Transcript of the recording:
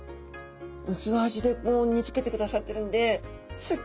薄味で煮つけてくださってるんですっ